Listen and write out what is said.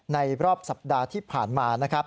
ในรอบสัปดาห์ที่ผ่านมานะครับ